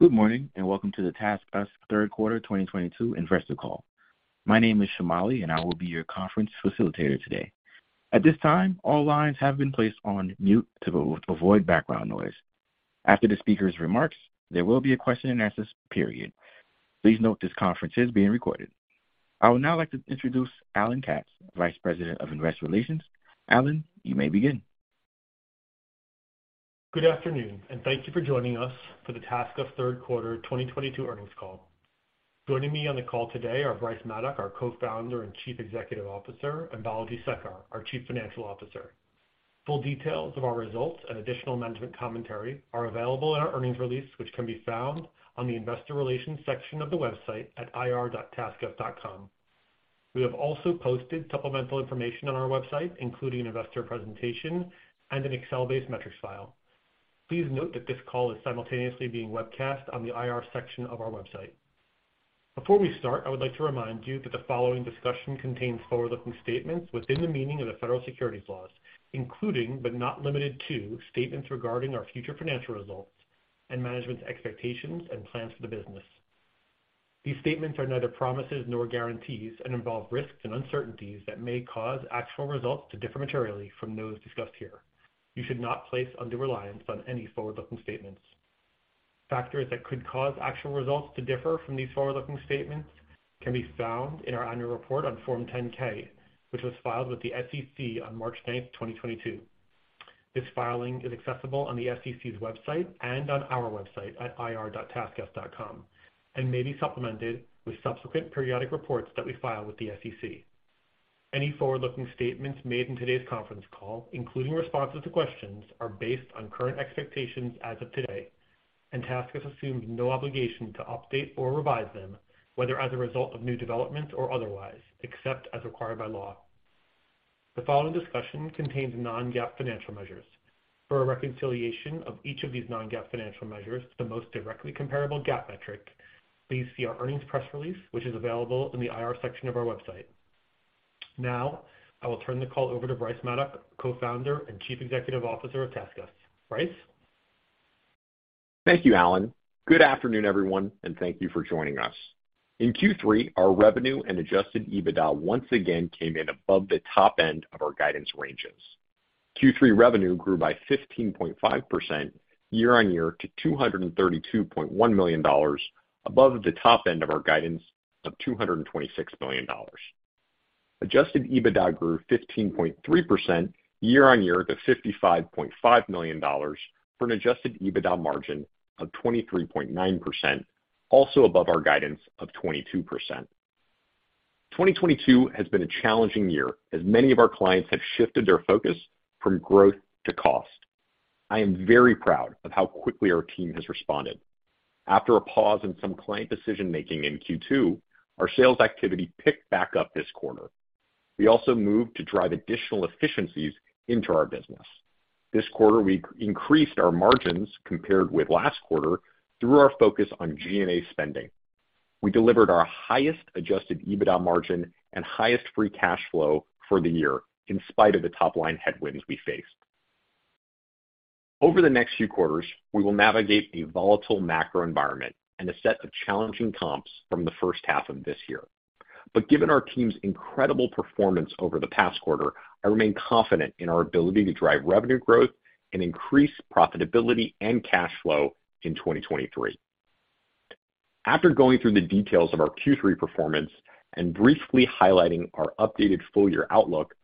Good morning, and welcome to the TaskUs third quarter 2022 investor call. My name is Shamali, and I will be your conference facilitator today. At this time, all lines have been placed on mute to avoid background noise. After the speaker's remarks, there will be a question and answer period. Please note this conference is being recorded. I would now like to introduce Alan Katz, Vice President of Investor Relations. Alan, you may begin. Good afternoon, and thank you for joining us for the TaskUs third quarter 2022 earnings call. Joining me on the call today are Bryce Maddock, our Co-Founder and Chief Executive Officer, and Balaji Sekar, our Chief Financial Officer. Full details of our results and additional management commentary are available in our earnings release, which can be found on the investor relations section of the website at ir.taskus.com. We have also posted supplemental information on our website, including an investor presentation and an Excel-based metrics file. Please note that this call is simultaneously being webcast on the IR section of our website. Before we start, I would like to remind you that the following discussion contains forward-looking statements within the meaning of the federal securities laws, including, but not limited to, statements regarding our future financial results and management's expectations and plans for the business. These statements are neither promises nor guarantees and involve risks and uncertainties that may cause actual results to differ materially from those discussed here. You should not place undue reliance on any forward-looking statements. Factors that could cause actual results to differ from these forward-looking statements can be found in our annual report on Form 10-K, which was filed with the SEC on March 9, 2022. This filing is accessible on the SEC's website and on our website at ir.taskus.com, and may be supplemented with subsequent periodic reports that we file with the SEC. Any forward-looking statements made in today's conference call, including responses to questions, are based on current expectations as of today, and TaskUs assumes no obligation to update or revise them, whether as a result of new developments or otherwise, except as required by law. The following discussion contains non-GAAP financial measures. For a reconciliation of each of these non-GAAP financial measures, the most directly comparable GAAP metric, please see our earnings press release, which is available in the IR section of our website. Now, I will turn the call over to Bryce Maddock, Co-Founder and Chief Executive Officer of TaskUs. Bryce. Thank you, Alan. Good afternoon, everyone, and thank you for joining us. In Q3, our revenue and adjusted EBITDA once again came in above the top end of our guidance ranges. Q3 revenue grew by 15.5% year-over-year to $232.1 million, above the top end of our guidance of $226 million. Adjusted EBITDA grew 15.3% year-over-year to $55.5 million for an adjusted EBITDA margin of 23.9%, also above our guidance of 22%. 2022 has been a challenging year, as many of our clients have shifted their focus from growth to cost. I am very proud of how quickly our team has responded. After a pause in some client decision-making in Q2, our sales activity picked back up this quarter. We also moved to drive additional efficiencies into our business. This quarter, we increased our margins compared with last quarter through our focus on G&A spending. We delivered our highest adjusted EBITDA margin and highest free cash flow for the year in spite of the top-line headwinds we faced. Over the next few quarters, we will navigate a volatile macro environment and a set of challenging comps from the first half of this year. Given our team's incredible performance over the past quarter, I remain confident in our ability to drive revenue growth and increase profitability and cash flow in 2023. After going through the details of our Q3 performance and briefly highlighting our updated full year outlook,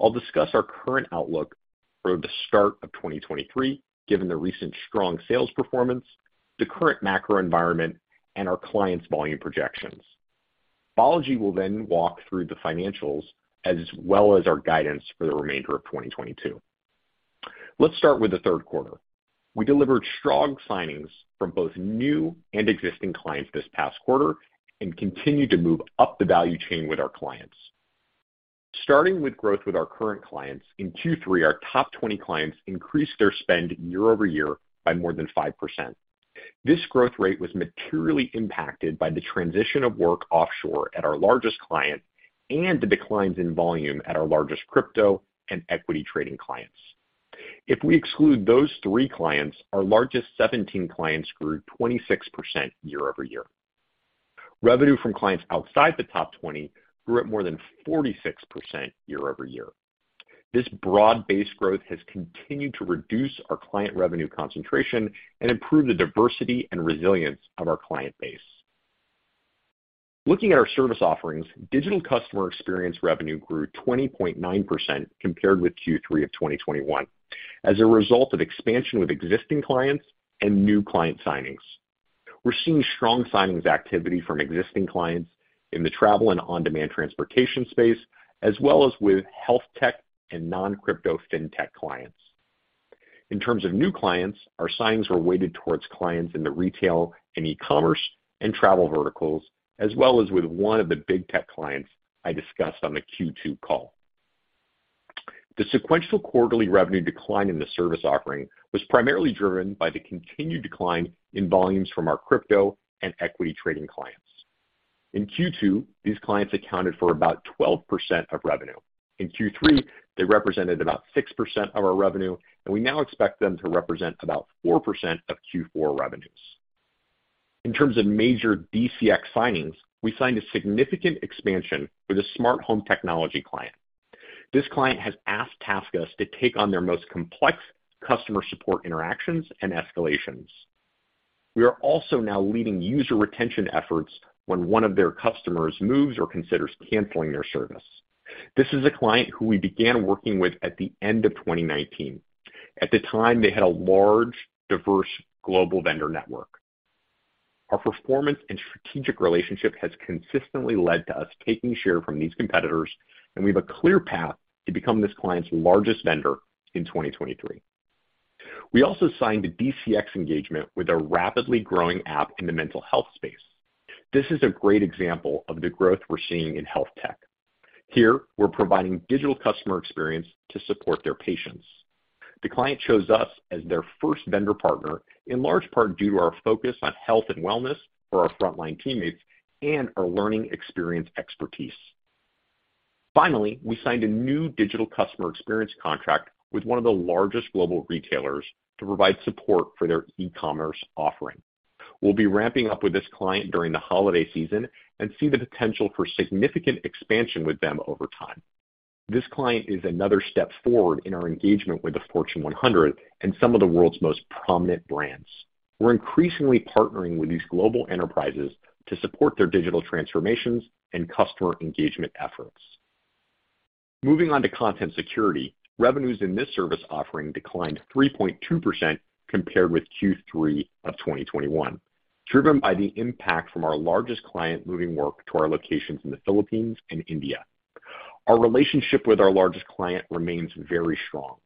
I'll discuss our current outlook for the start of 2023, given the recent strong sales performance, the current macro environment, and our clients' volume projections. Balaji will then walk through the financials as well as our guidance for the remainder of 2022. Let's start with the third quarter. We delivered strong signings from both new and existing clients this past quarter and continued to move up the value chain with our clients. Starting with growth with our current clients, in Q3, our top 20 clients increased their spend year-over-year by more than 5%. This growth rate was materially impacted by the transition of work offshore at our largest client and the declines in volume at our largest crypto and equity trading clients. If we exclude those three clients, our largest 17 clients grew 26% year-over-year. Revenue from clients outside the top 20 grew at more than 46% year-over-year. This broad-based growth has continued to reduce our client revenue concentration and improve the diversity and resilience of our client base. Looking at our service offerings, Digital Customer Experience revenue grew 20.9% compared with Q3 of 2021 as a result of expansion with existing clients and new client signings. We're seeing strong signings activity from existing clients in the travel and on-demand transportation space, as well as with health tech and non-crypto fintech clients. In terms of new clients, our signings were weighted towards clients in the retail and e-commerce and travel verticals, as well as with one of the big tech clients I discussed on the Q2 call. The sequential quarterly revenue decline in the service offering was primarily driven by the continued decline in volumes from our crypto and equity trading clients. In Q2, these clients accounted for about 12% of revenue. In Q3, they represented about 6% of our revenue, and we now expect them to represent about 4% of Q4 revenues. In terms of major DCX signings, we signed a significant expansion with a smart home technology client. This client has asked TaskUs to take on their most complex customer support interactions and escalations. We are also now leading user retention efforts when one of their customers moves or considers canceling their service. This is a client who we began working with at the end of 2019. At the time, they had a large, diverse global vendor network. Our performance and strategic relationship has consistently led to us taking share from these competitors, and we have a clear path to become this client's largest vendor in 2023. We also signed a DCX engagement with a rapidly growing app in the mental health space. This is a great example of the growth we're seeing in health tech. Here, we're providing digital customer experience to support their patients. The client chose us as their first vendor partner in large part due to our focus on health and wellness for our frontline teammates and our learning experience expertise. Finally, we signed a new Digital Customer Experience contract with one of the largest global retailers to provide support for their e-commerce offering. We'll be ramping up with this client during the holiday season and see the potential for significant expansion with them over time. This client is another step forward in our engagement with the Fortune 100 and some of the world's most prominent brands. We're increasingly partnering with these global enterprises to support their digital transformations and customer engagement efforts. Moving on to Content Security. Revenues in this service offering declined 3.2% compared with Q3 of 2021, driven by the impact from our largest client moving work to our locations in the Philippines and India. Our relationship with our largest client remains very strong.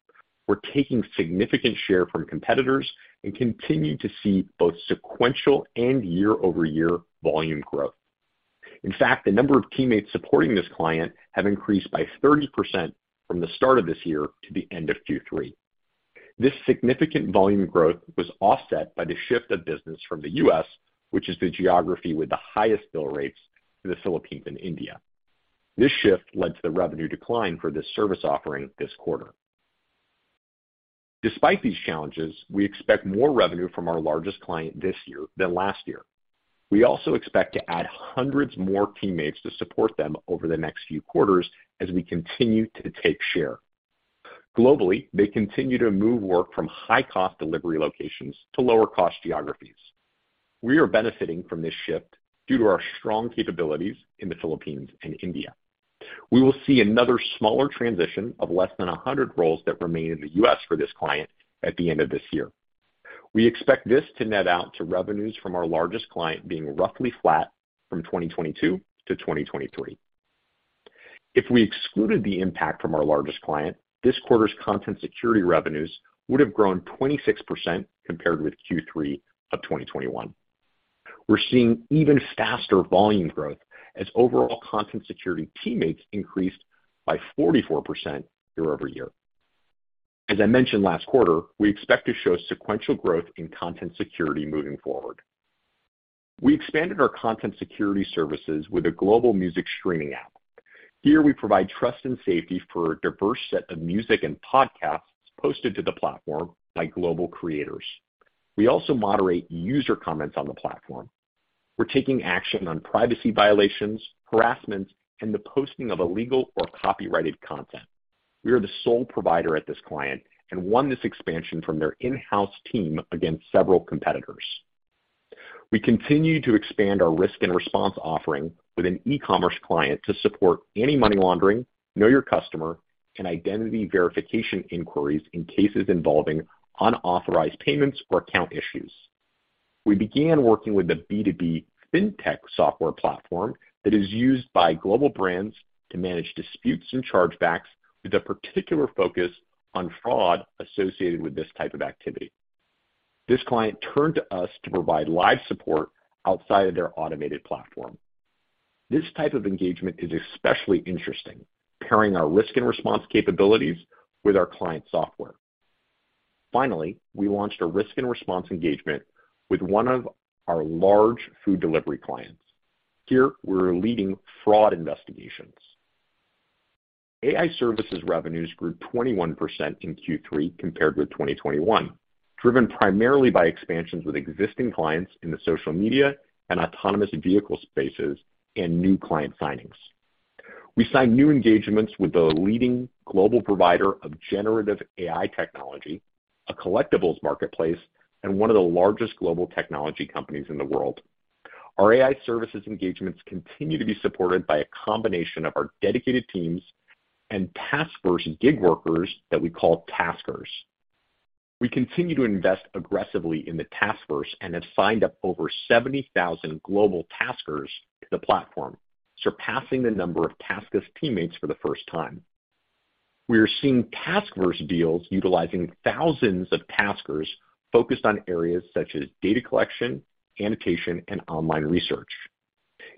We're taking significant share from competitors and continue to see both sequential and year-over-year volume growth. In fact, the number of teammates supporting this client have increased by 30% from the start of this year to the end of Q3. This significant volume growth was offset by the shift of business from the U.S., which is the geography with the highest bill rates to the Philippines and India. This shift led to the revenue decline for this service offering this quarter. Despite these challenges, we expect more revenue from our largest client this year than last year. We also expect to add hundreds more teammates to support them over the next few quarters as we continue to take share. Globally, they continue to move work from high-cost delivery locations to lower-cost geographies. We are benefiting from this shift due to our strong capabilities in the Philippines and India. We will see another smaller transition of less than 100 roles that remain in the U.S. for this client at the end of this year. We expect this to net out to revenues from our largest client being roughly flat from 2022 to 2023. If we excluded the impact from our largest client, this quarter's Content Security revenues would have grown 26% compared with Q3 of 2021. We're seeing even faster volume growth as overall Content Security teammates increased by 44% year-over-year. As I mentioned last quarter, we expect to show sequential growth in Content Security moving forward. We expanded our Content Security services with a global music streaming app. Here we provide trust and safety for a diverse set of music and podcasts posted to the platform by global creators. We also moderate user comments on the platform. We're taking action on privacy violations, harassment, and the posting of illegal or copyrighted content. We are the sole provider at this client and won this expansion from their in-house team against several competitors. We continue to expand our risk and response offering with an e-commerce client to support any money laundering, know your customer, and identity verification inquiries in cases involving unauthorized payments or account issues. We began working with a B2B Fintech software platform that is used by global brands to manage disputes and chargebacks with a particular focus on fraud associated with this type of activity. This client turned to us to provide live support outside of their automated platform. This type of engagement is especially interesting, pairing our risk and response capabilities with our client software. Finally, we launched a risk and response engagement with one of our large food delivery clients. Here, we're leading fraud investigations. AI Services revenues grew 21% in Q3 compared with 2021, driven primarily by expansions with existing clients in the social media and autonomous vehicle spaces and new client signings. We signed new engagements with a leading global provider of generative AI technology, a collectibles marketplace, and one of the largest global technology companies in the world. Our AI Services engagements continue to be supported by a combination of our dedicated teams and TaskVerse gig workers that we call Taskers. We continue to invest aggressively in the TaskVerse and have signed up over 70,000 global Taskers to the platform, surpassing the number of TaskUs teammates for the first time. We are seeing TaskVerse deals utilizing thousands of Taskers focused on areas such as data collection, annotation, and online research.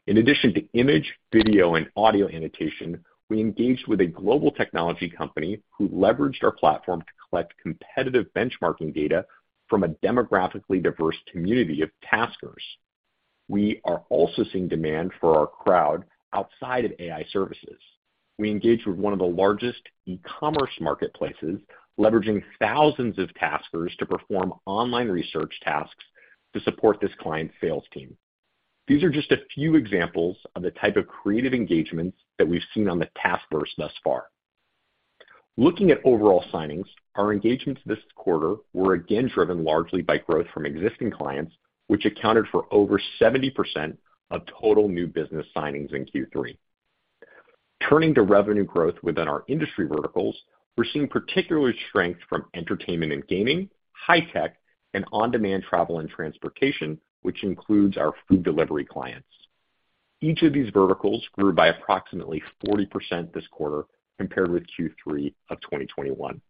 In addition to image, video, and audio annotation, we engaged with a global technology company who leveraged our platform to collect competitive benchmarking data from a demographically diverse community of Taskers. We are also seeing demand for our crowd outside of AI services. We engage with one of the largest e-commerce marketplaces, leveraging thousands of Taskers to perform online research tasks to support this client sales team. These are just a few examples of the type of creative engagements that we've seen on the TaskVerse thus far. Looking at overall signings, our engagements this quarter were again driven largely by growth from existing clients, which accounted for over 70% of total new business signings in Q3. Turning to revenue growth within our industry verticals, we're seeing particular strength from entertainment and gaming, high tech, and on-demand travel and transportation, which includes our food delivery clients. Each of these verticals grew by approximately 40% this quarter compared with Q3 of 2021.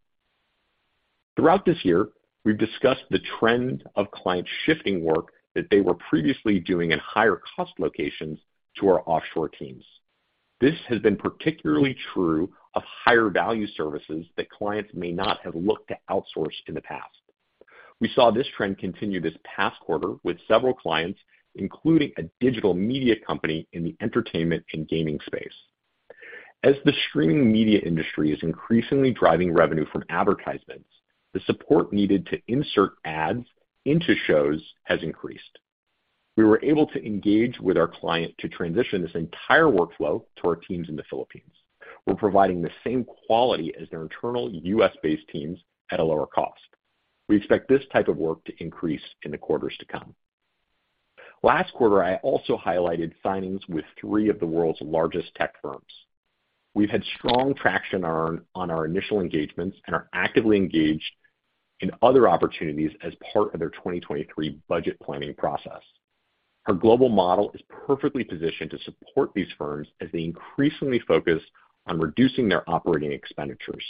Throughout this year, we've discussed the trend of clients shifting work that they were previously doing in higher cost locations to our offshore teams. This has been particularly true of higher value services that clients may not have looked to outsource in the past. We saw this trend continue this past quarter with several clients, including a digital media company in the entertainment and gaming space. As the streaming media industry is increasingly driving revenue from advertisements, the support needed to insert ads into shows has increased. We were able to engage with our client to transition this entire workflow to our teams in the Philippines. We're providing the same quality as their internal U.S.-based teams at a lower cost. We expect this type of work to increase in the quarters to come. Last quarter, I also highlighted signings with three of the world's largest tech firms. We've had strong traction on our initial engagements and are actively engaged in other opportunities as part of their 2023 budget planning process. Our global model is perfectly positioned to support these firms as they increasingly focus on reducing their operating expenditures.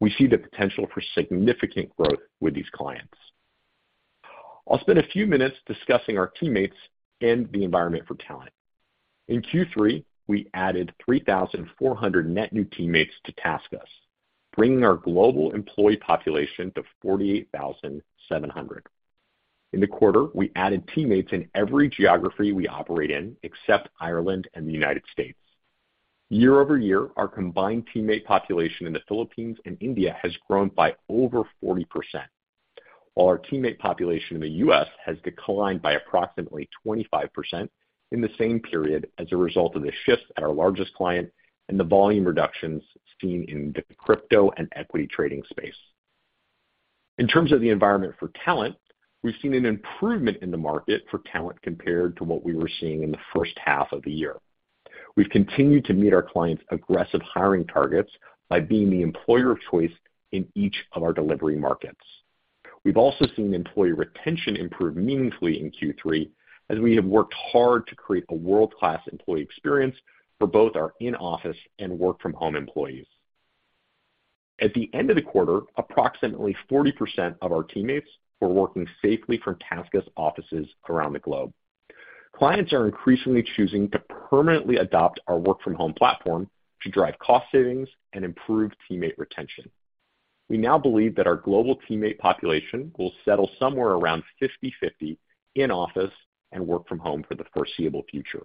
We see the potential for significant growth with these clients. I'll spend a few minutes discussing our teammates and the environment for talent. In Q3, we added 3,400 net new teammates to TaskUs, bringing our global employee population to 48,700. In the quarter, we added teammates in every geography we operate in, except Ireland and the United States. Year-over-year, our combined teammate population in the Philippines and India has grown by over 40%, while our teammate population in the U.S. has declined by approximately 25% in the same period as a result of the shifts at our largest client and the volume reductions seen in the crypto and equity trading space. In terms of the environment for talent, we've seen an improvement in the market for talent compared to what we were seeing in the first half of the year. We've continued to meet our clients' aggressive hiring targets by being the employer of choice in each of our delivery markets. We've also seen employee retention improve meaningfully in Q3 as we have worked hard to create a world-class employee experience for both our in-office and work-from-home employees. At the end of the quarter, approximately 40% of our teammates were working safely from TaskUs offices around the globe. Clients are increasingly choosing to permanently adopt our work-from-home platform to drive cost savings and improve teammate retention. We now believe that our global teammate population will settle somewhere around 50/50 in office and work from home for the foreseeable future.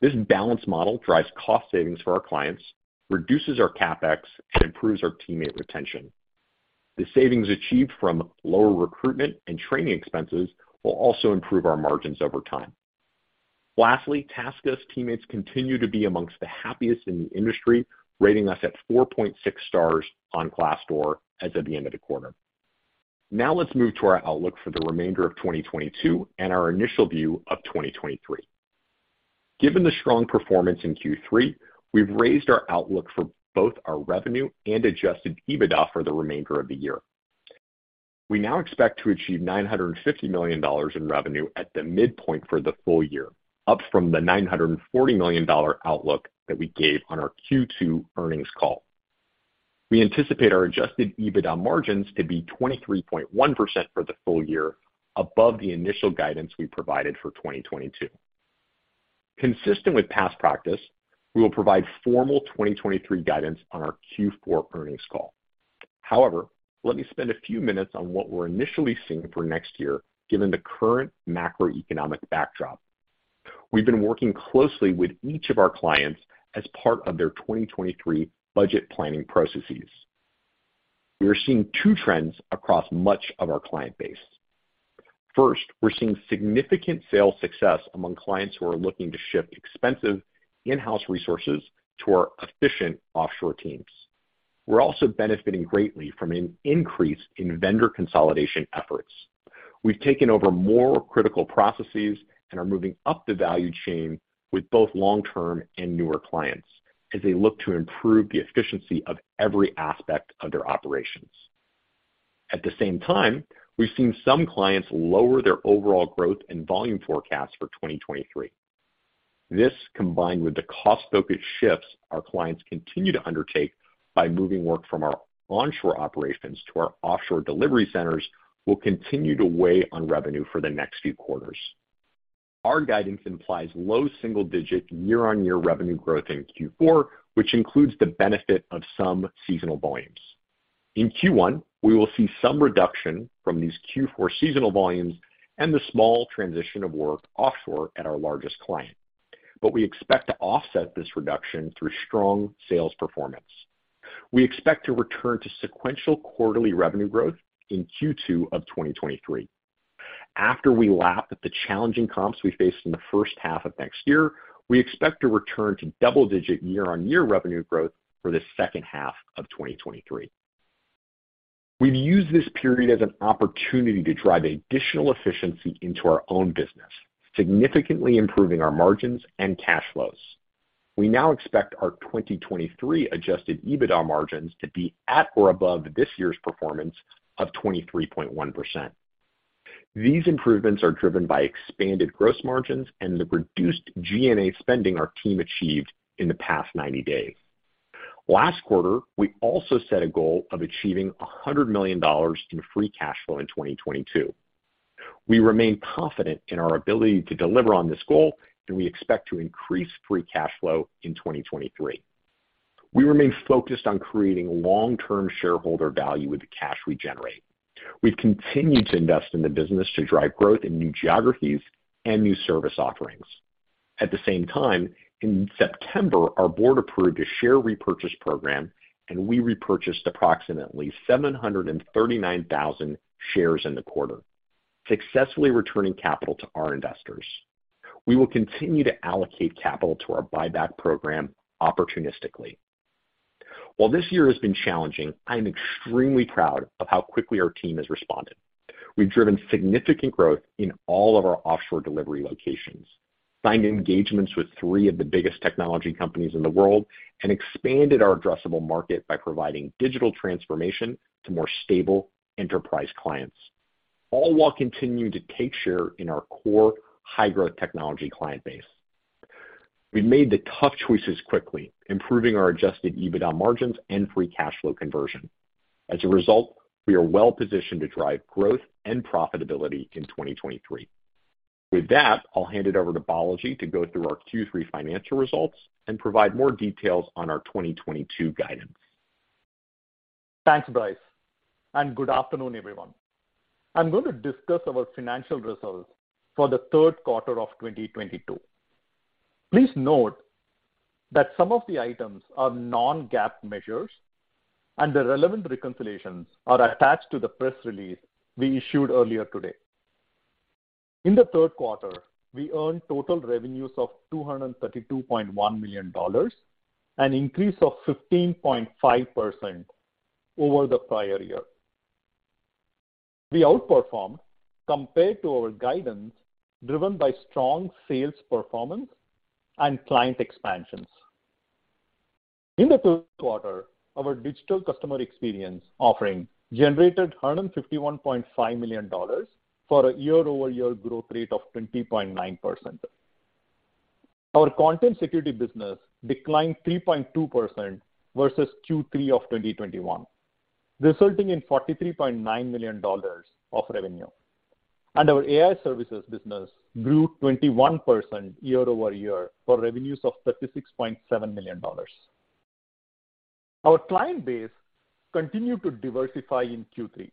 This balanced model drives cost savings for our clients, reduces our CapEx, and improves our teammate retention. The savings achieved from lower recruitment and training expenses will also improve our margins over time. Lastly, TaskUs teammates continue to be among the happiest in the industry, rating us at 4.6 stars on Glassdoor as of the end of the quarter. Now let's move to our outlook for the remainder of 2022 and our initial view of 2023. Given the strong performance in Q3, we've raised our outlook for both our revenue and adjusted EBITDA for the remainder of the year. We now expect to achieve $950 million in revenue at the midpoint for the full year, up from the $940 million outlook that we gave on our Q2 earnings call. We anticipate our adjusted EBITDA margins to be 23.1% for the full year above the initial guidance we provided for 2022. Consistent with past practice, we will provide formal 2023 guidance on our Q4 earnings call. However, let me spend a few minutes on what we're initially seeing for next year, given the current macroeconomic backdrop. We've been working closely with each of our clients as part of their 2023 budget planning processes. We are seeing two trends across much of our client base. First, we're seeing significant sales success among clients who are looking to shift expensive in-house resources to our efficient offshore teams. We're also benefiting greatly from an increase in vendor consolidation efforts. We've taken over more critical processes and are moving up the value chain with both long-term and newer clients as they look to improve the efficiency of every aspect of their operations. At the same time, we've seen some clients lower their overall growth and volume forecast for 2023. This, combined with the cost-focused shifts our clients continue to undertake by moving work from our onshore operations to our offshore delivery centers, will continue to weigh on revenue for the next few quarters. Our guidance implies low single-digit year-on-year revenue growth in Q4, which includes the benefit of some seasonal volumes. In Q1, we will see some reduction from these Q4 seasonal volumes and the small transition of work offshore at our largest client. We expect to offset this reduction through strong sales performance. We expect to return to sequential quarterly revenue growth in Q2 of 2023. After we lap the challenging comps we face in the first half of next year, we expect to return to double-digit year-on-year revenue growth for the second half of 2023. We've used this period as an opportunity to drive additional efficiency into our own business, significantly improving our margins and cash flows. We now expect our 2023 adjusted EBITDA margins to be at or above this year's performance of 23.1%. These improvements are driven by expanded gross margins and the reduced G&A spending our team achieved in the past 90 days. Last quarter, we also set a goal of achieving $100 million in free cash flow in 2022. We remain confident in our ability to deliver on this goal, and we expect to increase free cash flow in 2023. We remain focused on creating long-term shareholder value with the cash we generate. We've continued to invest in the business to drive growth in new geographies and new service offerings. At the same time, in September, our board approved a share repurchase program, and we repurchased approximately 739,000 shares in the quarter, successfully returning capital to our investors. We will continue to allocate capital to our buyback program opportunistically. While this year has been challenging, I am extremely proud of how quickly our team has responded. We've driven significant growth in all of our offshore delivery locations, signed engagements with three of the biggest technology companies in the world, and expanded our addressable market by providing digital transformation to more stable enterprise clients, all while continuing to take share in our core high-growth technology client base. We made the tough choices quickly, improving our adjusted EBITDA margins and free cash flow conversion. As a result, we are well-positioned to drive growth and profitability in 2023. With that, I'll hand it over to Balaji to go through our Q3 financial results and provide more details on our 2022 guidance. Thanks, Bryce, and good afternoon, everyone. I'm going to discuss our financial results for the third quarter of 2022. Please note that some of the items are non-GAAP measures and the relevant reconciliations are attached to the press release we issued earlier today. In the third quarter, we earned total revenues of $232.1 million, an increase of 15.5% over the prior year. We outperformed compared to our guidance, driven by strong sales performance and client expansions. In the third quarter, our Digital Customer Experience offering generated $151.5 million for a year-over-year growth rate of 20.9%. Our Content Security business declined 3.2% versus Q3 of 2021, resulting in $43.9 million of revenue. Our AI Services business grew 21% year-over-year for revenues of $36.7 million. Our client base continued to diversify in Q3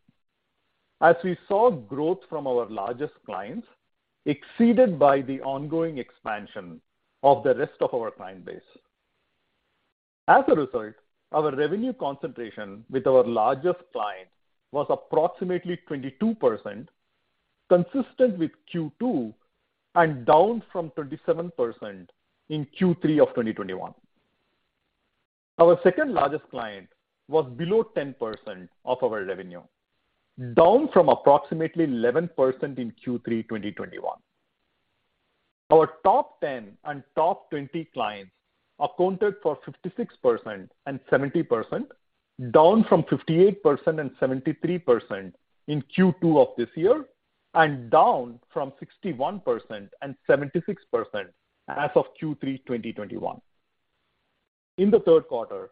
as we saw growth from our largest clients exceeded by the ongoing expansion of the rest of our client base. As a result, our revenue concentration with our largest client was approximately 22%, consistent with Q2 and down from 27% in Q3 of 2021. Our second largest client was below 10% of our revenue, down from approximately 11% in Q3 2021. Our top 10 and top 20 clients accounted for 56% and 70%, down from 58% and 73% in Q2 of this year and down from 61% and 76% as of Q3 2021. In the third quarter,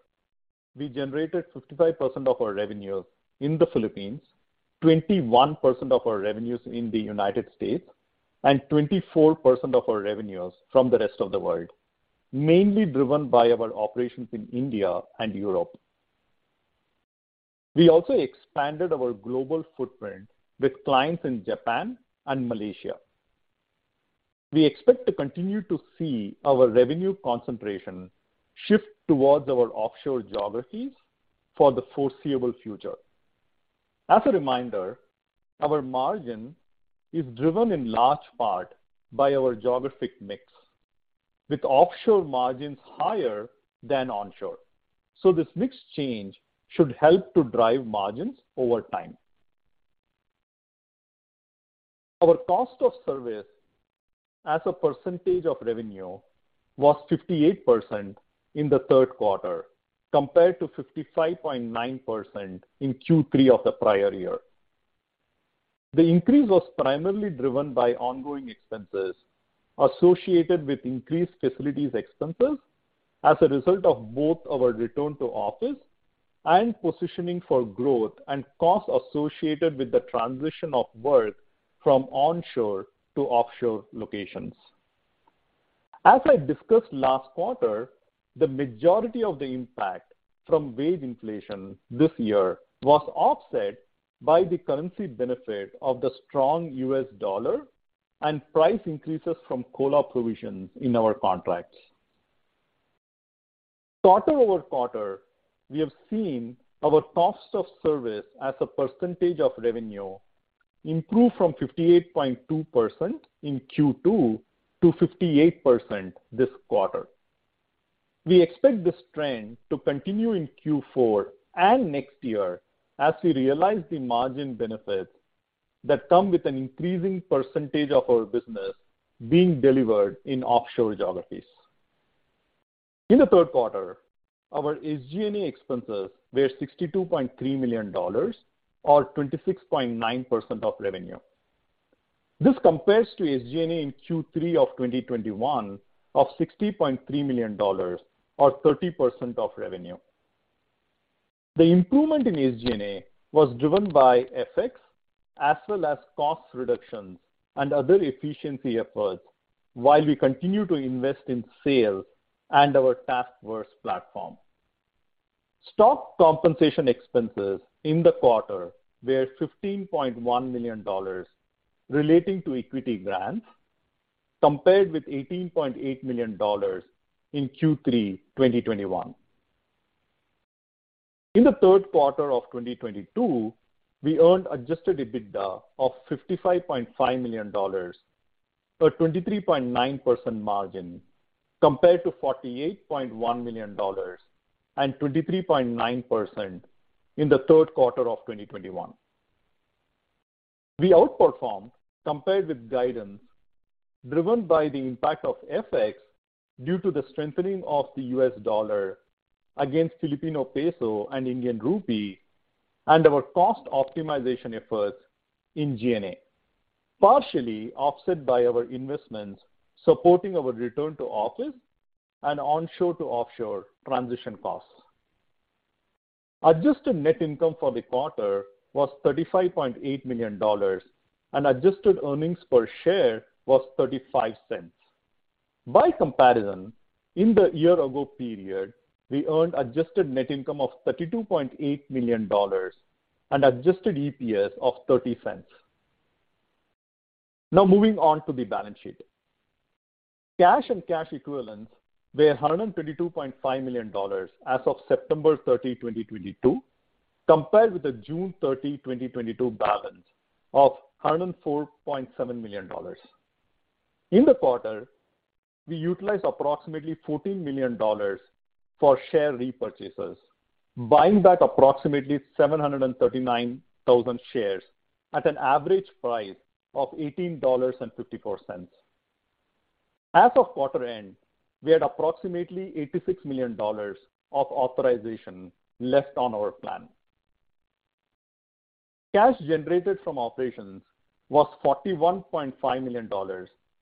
we generated 55% of our revenues in the Philippines, 21% of our revenues in the United States, and 24% of our revenues from the rest of the world, mainly driven by our operations in India and Europe. We also expanded our global footprint with clients in Japan and Malaysia. We expect to continue to see our revenue concentration shift towards our offshore geographies for the foreseeable future. As a reminder, our margin is driven in large part by our geographic mix, with offshore margins higher than onshore. This mix change should help to drive margins over time. Our cost of service as a percentage of revenue was 58% in the third quarter, compared to 55.9% in Q3 of the prior year. The increase was primarily driven by ongoing expenses associated with increased facilities expenses as a result of both our return to office and positioning for growth and costs associated with the transition of work from onshore to offshore locations. As I discussed last quarter, the majority of the impact from wage inflation this year was offset by the currency benefit of the strong U.S. dollar and price increases from COLA provisions in our contracts. Quarter-over-quarter, we have seen our cost of service as a percentage of revenue improve from 58.2% in Q2 to 58% this quarter. We expect this trend to continue in Q4 and next year as we realize the margin benefits that come with an increasing percentage of our business being delivered in offshore geographies. In the third quarter, our SG&A expenses were $62.3 million or 26.9% of revenue. This compares to SG&A in Q3 of 2021 of $60.3 million or 30% of revenue. The improvement in SG&A was driven by FX as well as cost reductions and other efficiency efforts while we continue to invest in sales and our TaskVerse platform. Stock compensation expenses in the quarter were $15.1 million relating to equity grants compared with $18.8 million in Q3 2021. In the third quarter of 2022, we earned adjusted EBITDA of $55.5 million, a 23.9% margin compared to $48.1 million and 23.9% in the third quarter of 2021. We outperformed compared with guidance driven by the impact of FX due to the strengthening of the U.S. dollar against Filipino Peso and Indian Rupee and our cost optimization efforts in G&A, partially offset by our investments supporting our return to office and onshore to offshore transition costs. Adjusted net income for the quarter was $35.8 million, and adjusted earnings per share was $0.35. By comparison, in the year ago period, we earned adjusted net income of $32.8 million and adjusted EPS of $0.30. Now moving on to the balance sheet. Cash and cash equivalents were $122.5 million as of September 30, 2022, compared with the June 30, 2022 balance of $104.7 million. In the quarter, we utilized approximately $14 million for share repurchases, buying back approximately 739,000 shares at an average price of $18.54. As of quarter end, we had approximately $86 million of authorization left on our plan. Cash generated from operations was $41.5 million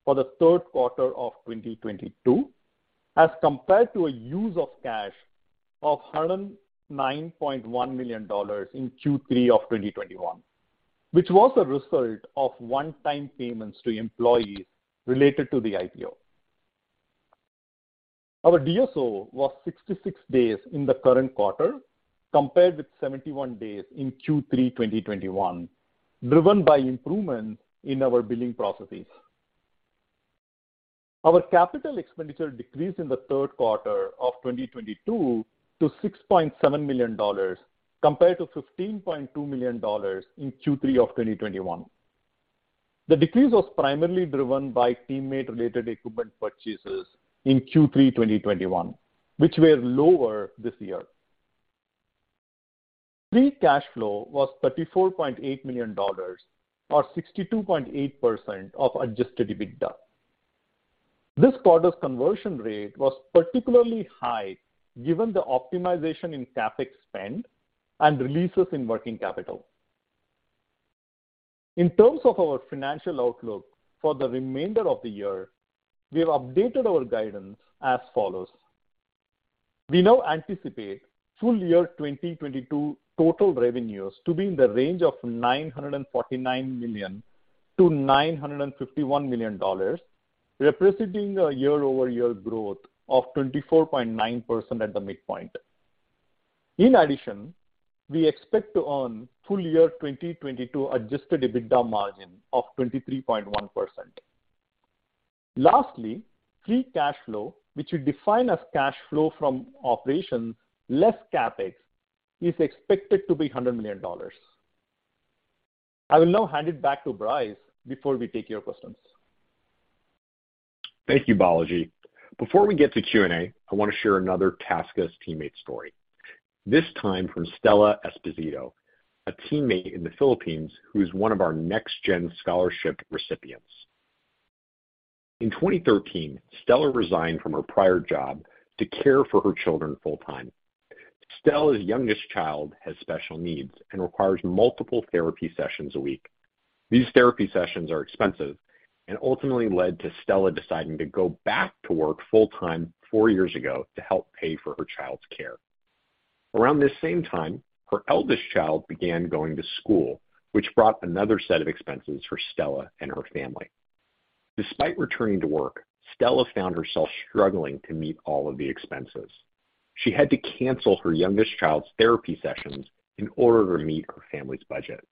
for the third quarter of 2022, as compared to a use of cash of $109.1 million in Q3 of 2021, which was a result of one-time payments to employees related to the IPO. Our DSO was 66 days in the current quarter compared with 71 days in Q3 2021, driven by improvement in our billing processes. Our capital expenditure decreased in the third quarter of 2022 to $6.7 million compared to $15.2 million in Q3 of 2021. The decrease was primarily driven by teammate-related equipment purchases in Q3 2021, which were lower this year. Free cash flow was $34.8 million or 62.8% of adjusted EBITDA. This quarter's conversion rate was particularly high given the optimization in CapEx spend and releases in working capital. In terms of our financial outlook for the remainder of the year, we have updated our guidance as follows. We now anticipate full year 2022 total revenues to be in the range of $949 million-$951 million, representing a year-over-year growth of 24.9% at the midpoint. In addition, we expect to earn full year 2022 adjusted EBITDA margin of 23.1%. Lastly, free cash flow, which we define as cash flow from operations less CapEx, is expected to be $100 million. I will now hand it back to Bryce before we take your questions. Thank you, Balaji. Before we get to Q and A, I want to share another TaskUs teammate story. This time from Stella Esposito, a teammate in the Philippines who is one of our NextGen scholarship recipients. In 2013, Stella resigned from her prior job to care for her children full-time. Stella's youngest child has special needs and requires multiple therapy sessions a week. These therapy sessions are expensive and ultimately led to Stella deciding to go back to work full-time four years ago to help pay for her child's care. Around this same time, her eldest child began going to school, which brought another set of expenses for Stella and her family. Despite returning to work, Stella found herself struggling to meet all of the expenses. She had to cancel her youngest child's therapy sessions in order to meet her family's budget.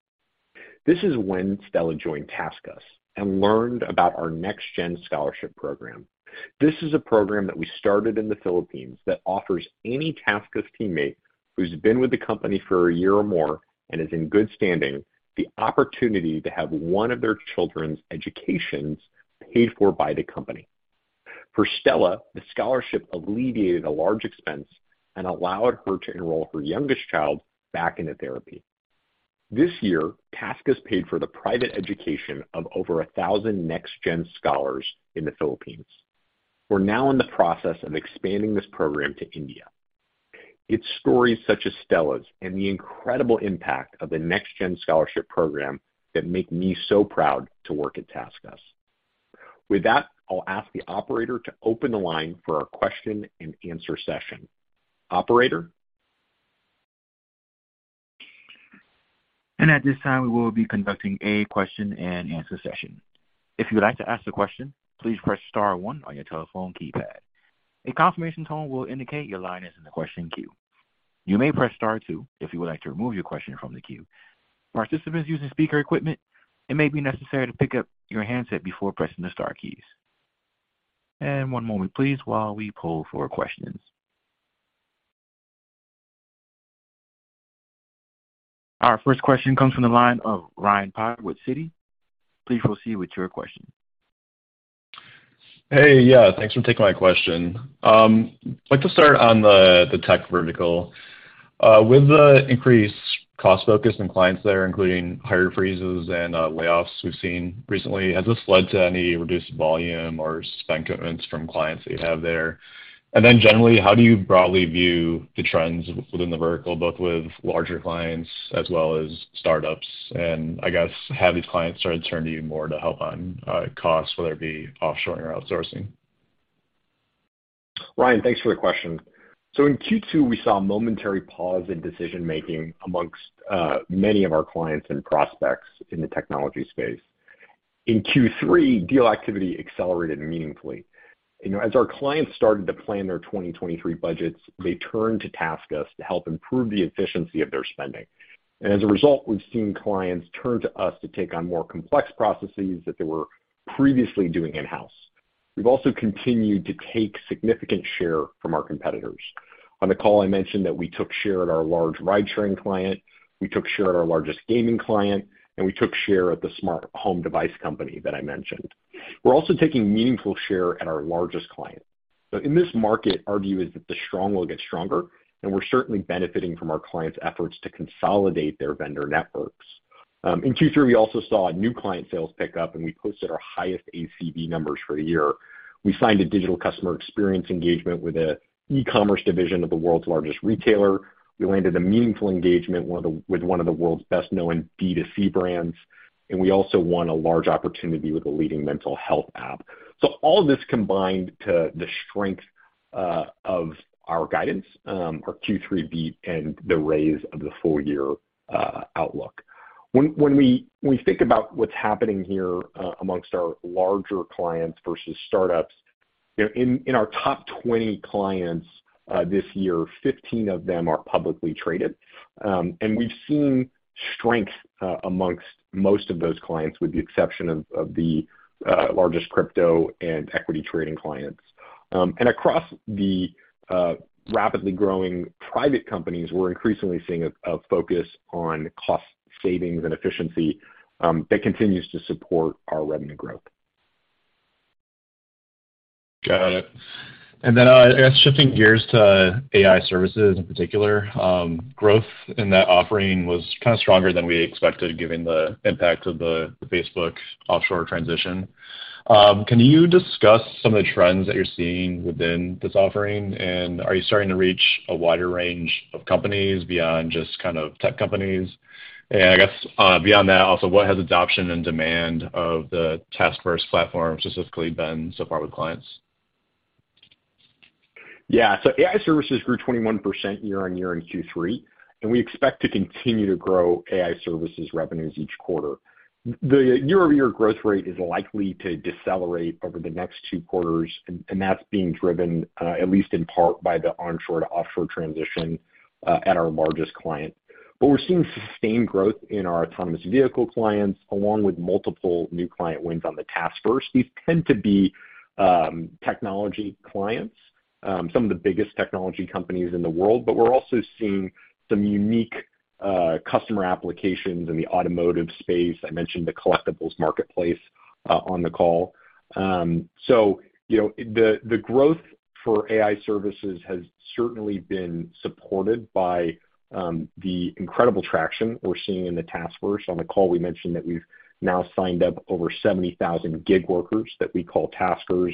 This is when Stella joined TaskUs and learned about our NextGen Scholarship Program. This is a program that we started in the Philippines that offers any TaskUs teammate who's been with the company for a year or more, and is in good standing, the opportunity to have one of their children's educations paid for by the company. For Stella, the scholarship alleviated a large expense and allowed her to enroll her youngest child back into therapy. This year, TaskUs paid for the private education of over 1,000 NextGen scholars in the Philippines. We're now in the process of expanding this program to India. It's stories such as Stella's and the incredible impact of the NextGen Scholarship Program that make me so proud to work at TaskUs. With that, I'll ask the operator to open the line for our question-and-answer session. Operator? At this time, we will be conducting a question-and-answer session. If you would like to ask a question, please press star one on your telephone keypad. A confirmation tone will indicate your line is in the question queue. You may press star two if you would like to remove your question from the queue. Participants using speaker equipment, it may be necessary to pick up your handset before pressing the star keys. One moment, please, while we pull for questions. Our first question comes from the line of Ryan Potter with Citi. Please proceed with your question. Hey. Yeah, thanks for taking my question. I'd like to start on the tech vertical. With the increased cost focus and clients there, including hiring freezes and layoffs we've seen recently, has this led to any reduced volume or spend commitments from clients that you have there? And then generally, how do you broadly view the trends within the vertical, both with larger clients as well as startups? I guess, have these clients started turning to you more to help on costs, whether it be offshoring or outsourcing? Ryan, thanks for the question. In Q2, we saw a momentary pause in decision-making amongst many of our clients and prospects in the technology space. In Q3, deal activity accelerated meaningfully. You know, as our clients started to plan their 2023 budgets, they turned to TaskUs to help improve the efficiency of their spending. As a result, we've seen clients turn to us to take on more complex processes that they were previously doing in-house. We've also continued to take significant share from our competitors. On the call, I mentioned that we took share at our large ride-sharing client, we took share at our largest gaming client, and we took share at the smart home device company that I mentioned. We're also taking meaningful share at our largest client. In this market, our view is that the strong will get stronger, and we're certainly benefiting from our clients' efforts to consolidate their vendor networks. In Q3, we also saw new client sales pick up, and we posted our highest ACV numbers for the year. We signed a Digital Customer Experience engagement with an e-commerce division of the world's largest retailer. We landed a meaningful engagement with one of the world's best-known B2C brands, and we also won a large opportunity with a leading mental health app. All this combined to the strength of our guidance, our Q3 beat and the raise of the full year outlook. When we think about what's happening here amongst our larger clients versus startups, in our top 20 clients this year, 15 of them are publicly traded. We've seen strength among most of those clients, with the exception of the largest crypto and equity trading clients. Across the rapidly growing private companies, we're increasingly seeing a focus on cost savings and efficiency that continues to support our revenue growth. Got it. I guess shifting gears to AI Services in particular, growth in that offering was kinda stronger than we expected, given the impact of the Facebook offshore transition. Can you discuss some of the trends that you're seeing within this offering? Are you starting to reach a wider range of companies beyond just kind of tech companies? I guess, beyond that, also, what has adoption and demand of the TaskVerse platform specifically been so far with clients? Yeah. AI Services grew 21% year-over-year in Q3, and we expect to continue to grow AI Services revenues each quarter. The year-over-year growth rate is likely to decelerate over the next two quarters, and that's being driven, at least in part by the onshore to offshore transition, at our largest client. We're seeing sustained growth in our autonomous vehicle clients, along with multiple new client wins on the TaskVerse. These tend to be, technology clients, some of the biggest technology companies in the world. We're also seeing some unique, customer applications in the automotive space. I mentioned the collectibles marketplace, on the call. You know, the growth for AI Services has certainly been supported by, the incredible traction we're seeing in the TaskVerse. On the call, we mentioned that we've now signed up over 70,000 gig workers that we call Taskers,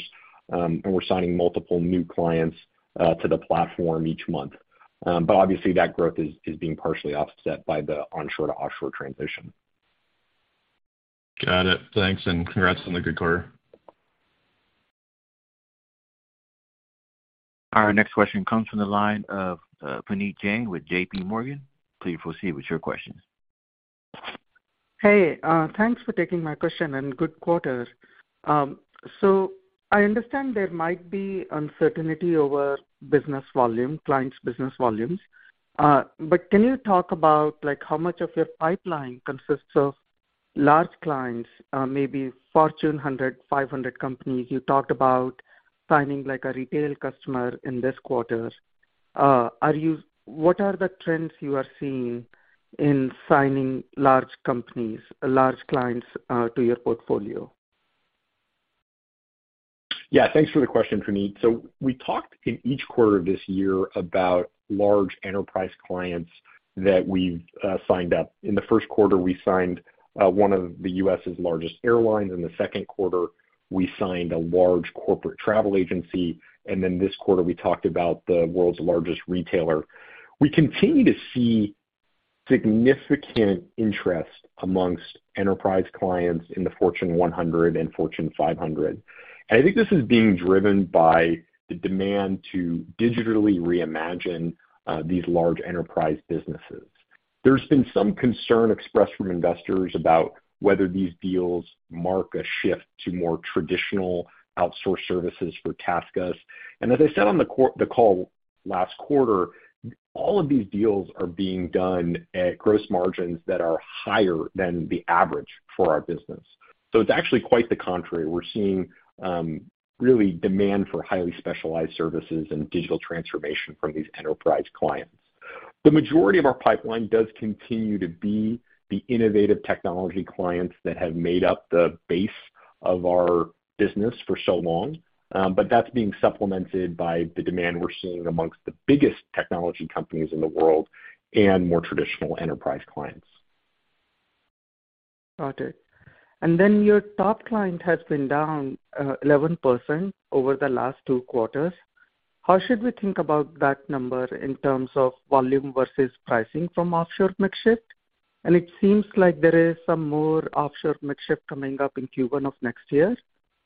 and we're signing multiple new clients to the platform each month. Obviously that growth is being partially offset by the onshore to offshore transition. Got it. Thanks, and congrats on the good quarter. Our next question comes from the line of, Puneet Jain with JPMorgan. Please proceed with your questions. Hey, thanks for taking my question, and good quarter. I understand there might be uncertainty over business volume, clients' business volumes. Can you talk about, like, how much of your pipeline consists of large clients, maybe Fortune 100, Fortune 500 companies? You talked about signing, like, a retail customer in this quarter. What are the trends you are seeing in signing large companies, large clients, to your portfolio? Yeah, thanks for the question, Puneet. We talked in each quarter this year about large enterprise clients that we've signed up. In the first quarter, we signed one of the U.S.'s largest airlines. In the second quarter, we signed a large corporate travel agency. Then this quarter, we talked about the world's largest retailer. We continue to see significant interest amongst enterprise clients in the Fortune 100 and Fortune 500. I think this is being driven by the demand to digitally reimagine these large enterprise businesses. There's been some concern expressed from investors about whether these deals mark a shift to more traditional outsourced services for TaskUs. As I said on the call last quarter, all of these deals are being done at gross margins that are higher than the average for our business. It's actually quite the contrary. We're seeing real demand for highly specialized services and digital transformation from these enterprise clients. The majority of our pipeline does continue to be the innovative technology clients that have made up the base of our business for so long. That's being supplemented by the demand we're seeing among the biggest technology companies in the world and more traditional enterprise clients. Got it. Your top client has been down 11% over the last two quarters. How should we think about that number in terms of volume versus pricing from offshore mix shift? It seems like there is some more offshore mix shift coming up in Q1 of next year.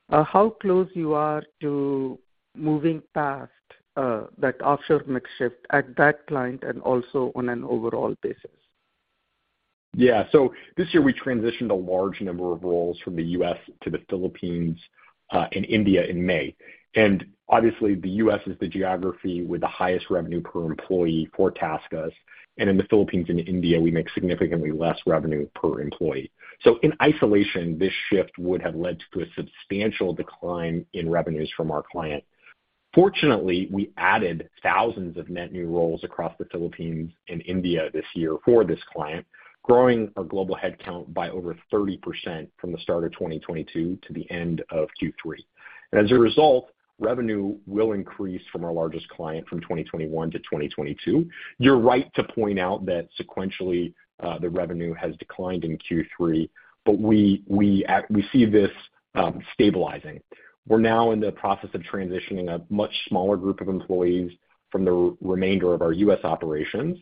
How close you are to moving past that offshore mix shift at that client and also on an overall basis? Yeah. This year we transitioned a large number of roles from the U.S. to the Philippines and India in May. Obviously the U.S. is the geography with the highest revenue per employee for TaskUs, and in the Philippines and India, we make significantly less revenue per employee. In isolation, this shift would have led to a substantial decline in revenues from our client. Fortunately, we added thousands of net new roles across the Philippines and India this year for this client, growing our global headcount by over 30% from the start of 2022 to the end of Q3. As a result, revenue will increase from our largest client from 2021 to 2022. You're right to point out that sequentially, the revenue has declined in Q3, but we see this stabilizing. We're now in the process of transitioning a much smaller group of employees from the remainder of our U.S. operations.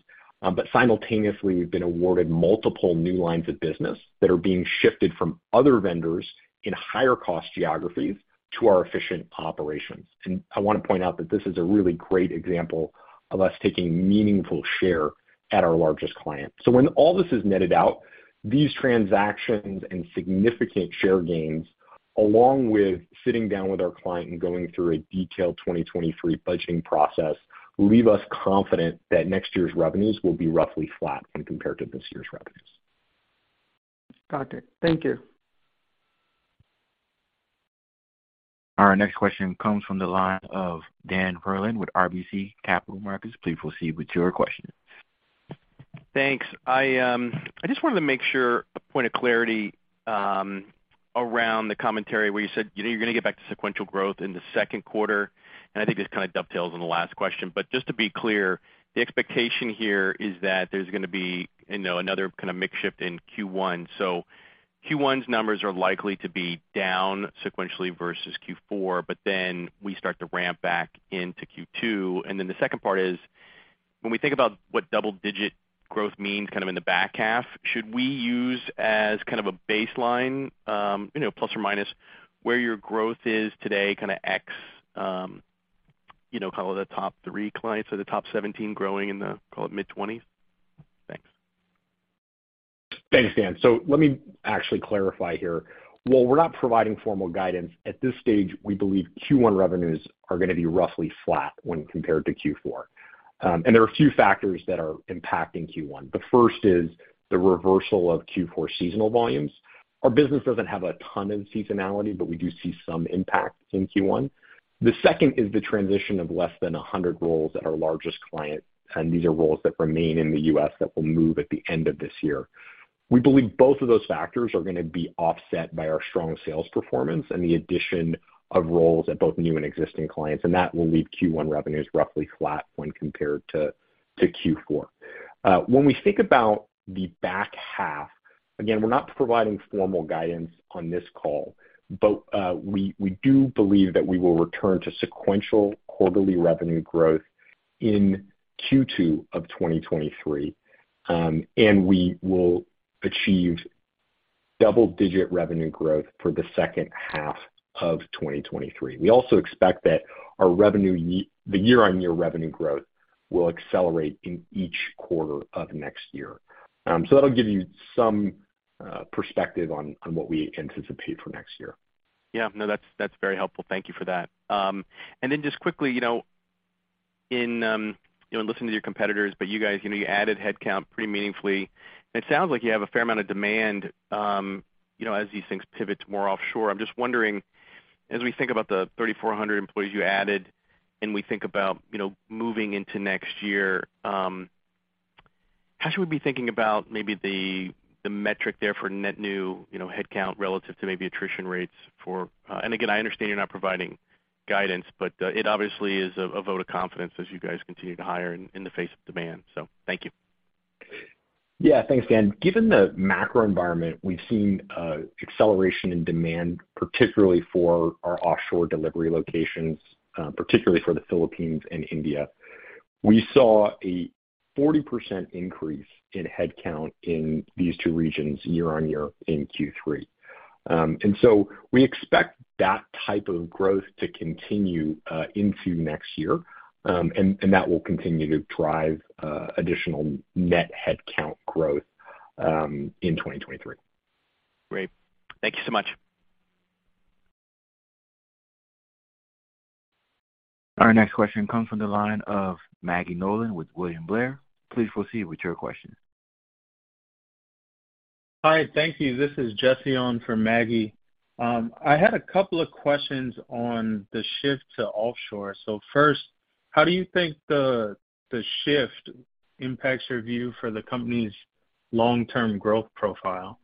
Simultaneously, we've been awarded multiple new lines of business that are being shifted from other vendors in higher cost geographies to our efficient operations. I wanna point out that this is a really great example of us taking meaningful share at our largest client. When all this is netted out, these transactions and significant share gains, along with sitting down with our client and going through a detailed 2023 budgeting process, leave us confident that next year's revenues will be roughly flat when compared to this year's revenues. Got it. Thank you. Our next question comes from the line of Dan Perlin with RBC Capital Markets. Please proceed with your question. Thanks. I just wanted to make sure a point of clarity around the commentary where you said, you know, you're gonna get back to sequential growth in the second quarter. I think this kinda dovetails on the last question. Just to be clear, the expectation here is that there's gonna be, you know, another kinda mix shift in Q1. Q1's numbers are likely to be down sequentially versus Q4, but then we start to ramp back into Q2. Then the second part is, when we think about what double digit growth means kind of in the back half, should we use as kind of a baseline, you know, plus or minus where your growth is today, kinda ex the top three clients or the top 17 growing in the, call it, mid-20s? Thanks. Thanks, Dan. Let me actually clarify here. While we're not providing formal guidance, at this stage, we believe Q1 revenues are gonna be roughly flat when compared to Q4. There are a few factors that are impacting Q1. The first is the reversal of Q4 seasonal volumes. Our business doesn't have a ton of seasonality, but we do see some impact in Q1. The second is the transition of less than 100 roles at our largest client, and these are roles that remain in the U.S. that will move at the end of this year. We believe both of those factors are gonna be offset by our strong sales performance and the addition of roles at both new and existing clients, and that will leave Q1 revenues roughly flat when compared to Q4. When we think about the back half, again, we're not providing formal guidance on this call, but we do believe that we will return to sequential quarterly revenue growth in Q2 of 2023. We will achieve double-digit revenue growth for the second half of 2023. We also expect that the year-on-year revenue growth will accelerate in each quarter of next year. That'll give you some perspective on what we anticipate for next year. Yeah. No, that's very helpful. Thank you for that. And then just quickly, you know, listening to your competitors, but you guys, you know, added headcount pretty meaningfully, and it sounds like you have a fair amount of demand, you know, as these things pivot to more offshore. I'm just wondering, as we think about the 3,400 employees you added and we think about, you know, moving into next year, how should we be thinking about maybe the metric there for net new, you know, headcount relative to maybe attrition rates. Again, I understand you're not providing guidance, but it obviously is a vote of confidence as you guys continue to hire in the face of demand. Thank you. Yeah. Thanks, Dan. Given the macro environment, we've seen acceleration in demand, particularly for our offshore delivery locations, particularly for the Philippines and India. We saw a 40% increase in headcount in these two regions year-on-year in Q3. We expect that type of growth to continue into next year, and that will continue to drive additional net headcount growth in 2023. Great. Thank you so much. Our next question comes from the line of Maggie Nolan with William Blair. Please proceed with your question. Hi. Thank you. This is Jesse on for Maggie. I had a couple of questions on the shift to offshore. First, how do you think the shift impacts your view for the company's long-term growth profile?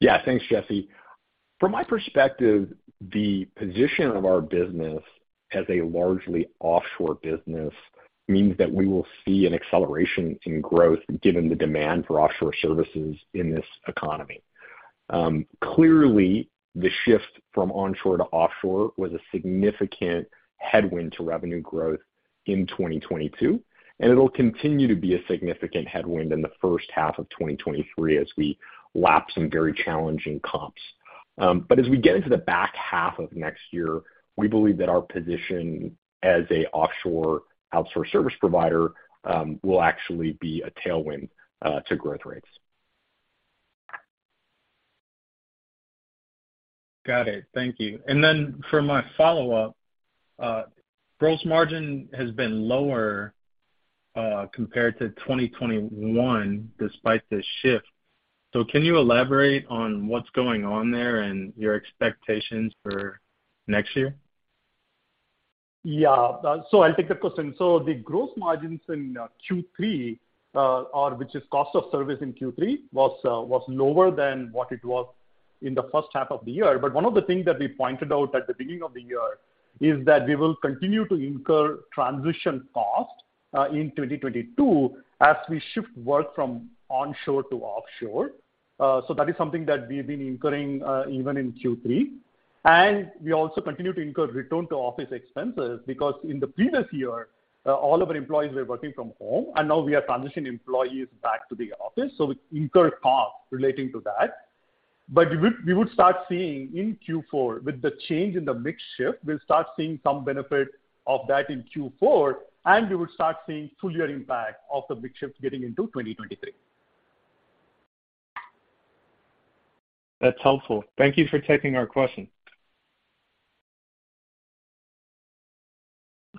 Yeah. Thanks, Jesse. From my perspective, the position of our business as a largely offshore business means that we will see an acceleration in growth given the demand for offshore services in this economy. Clearly, the shift from onshore to offshore was a significant headwind to revenue growth in 2022, and it'll continue to be a significant headwind in the first half of 2023 as we lap some very challenging comps. As we get into the back half of next year, we believe that our position as a offshore outsource service provider will actually be a tailwind to growth rates. Got it. Thank you. For my follow-up, gross margin has been lower, compared to 2021 despite the shift. Can you elaborate on what's going on there and your expectations for next year? I'll take the question. The gross margins in Q3, or which is cost of service in Q3, was lower than what it was in the first half of the year. One of the things that we pointed out at the beginning of the year is that we will continue to incur transition costs in 2022 as we shift work from onshore to offshore. That is something that we've been incurring even in Q3. We also continue to incur return to office expenses because in the previous year all of our employees were working from home, and now we are transitioning employees back to the office, so we incur costs relating to that. We would start seeing in Q4, with the change in the mix shift, we'll start seeing some benefit of that in Q4, and we will start seeing full year impact of the mix shift getting into 2023. That's helpful. Thank you for taking our question.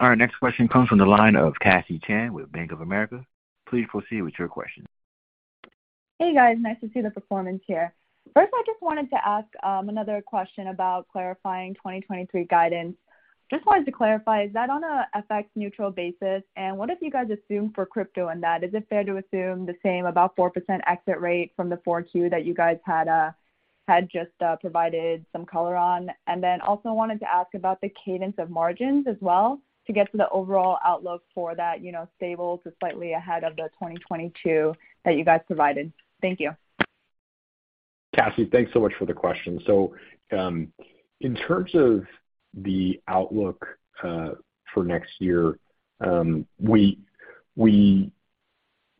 Our next question comes from the line of Cassie Chan with Bank of America. Please proceed with your question. Hey, guys. Nice to see the performance here. First, I just wanted to ask another question about clarifying 2023 guidance. Just wanted to clarify, is that on a FX neutral basis? And what have you guys assumed for crypto in that? Is it fair to assume the same about 4% exit rate from the 4Q that you guys had just provided some color on? And then also wanted to ask about the cadence of margins as well to get to the overall outlook for that, you know, stable to slightly ahead of the 2022 that you guys provided. Thank you. Cassie, thanks so much for the question.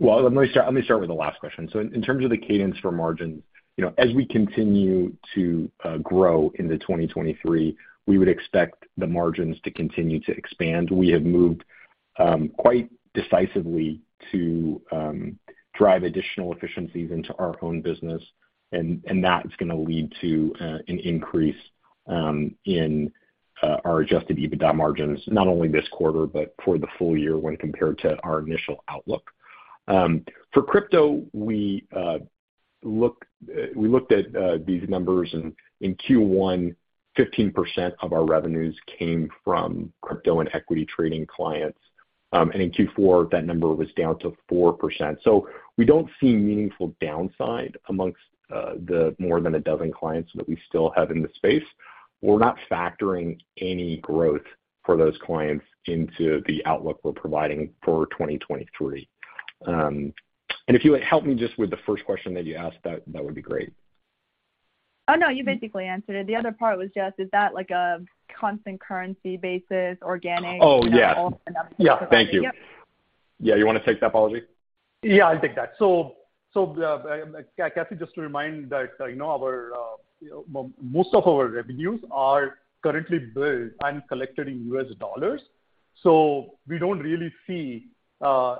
Well, let me start with the last question. In terms of the cadence for margins, you know, as we continue to grow into 2023, we would expect the margins to continue to expand. We have moved quite decisively to drive additional efficiencies into our own business, and that's gonna lead to an increase in our adjusted EBITDA margins, not only this quarter, but for the full year when compared to our initial outlook. For crypto, we looked at these numbers in Q1, 15% of our revenues came from crypto and equity trading clients. In Q4, that number was down to 4%. We don't see meaningful downside among the more than a dozen clients that we still have in the space. We're not factoring any growth for those clients into the outlook we're providing for 2023. If you would help me just with the first question that you asked, that would be great. Oh, no, you basically answered it. The other part was just, is that like a constant currency basis organic? Oh, yeah. Yeah. Thank you. Yeah. Yeah. You wanna take that, Balaji? Yeah, I'll take that. Cassie, just to remind that, you know, most of our revenues are currently billed and collected in U.S. dollars. We don't really see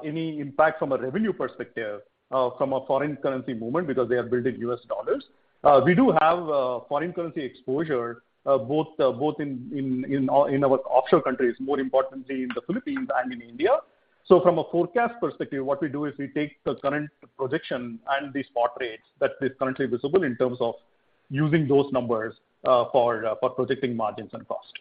any impact from a revenue perspective from a foreign currency movement because they are billed in U.S. dollars. We do have foreign currency exposure both in our offshore countries, more importantly in the Philippines and in India. From a forecast perspective, what we do is we take the current projection and the spot rates that is currently visible in terms of using those numbers for projecting margins and cost.